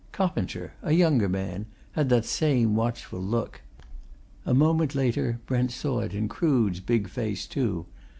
Coppinger, a younger man, had that same watchful look; a moment later, Brent saw it in Crood's big face too.